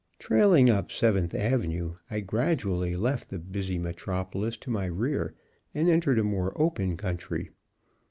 Trailing up Seventh Avenue, I gradually left the busy metropolis to my rear and entered a more open country.